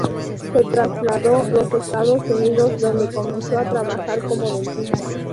Se trasladó los Estados Unidos, donde comenzó a trabajar como dentista.